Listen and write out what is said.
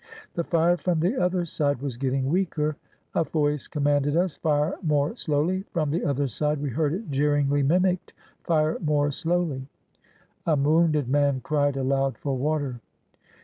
The fire from the other side was getting weaker. A voice commanded us: "Fire more slowly." From the other side we heard it jeeringly mimicked: "Fire more slowly." A wounded man cried aloud for water.